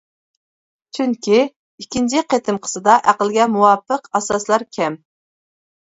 چۈنكى، ئىككىنچى قېتىمقىسىدا ئەقىلگە مۇۋاپىق ئاساسلار كەم.